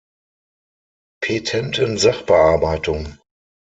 Petentensachbearbeitung.